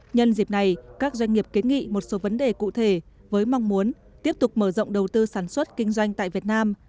nhân dịp này các doanh nghiệp kiến nghị một số vấn đề cụ thể với mong muốn tiếp tục mở rộng đầu tư sản xuất kinh doanh tại việt nam